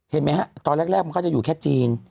เห็นไหมฮะตอนแรกมันก็จะอยู่แค่จีน